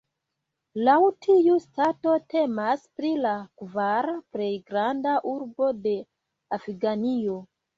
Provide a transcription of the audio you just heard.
Laŭ tiu stato temas pri la kvara plej granda urbo de Afganio.